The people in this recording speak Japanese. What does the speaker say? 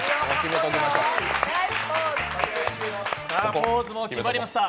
ポーズも決まりました。